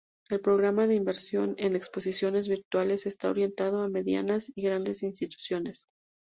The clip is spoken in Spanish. El Programa de Inversión en Exposiciones Virtuales está orientado a medianas y grandes instituciones.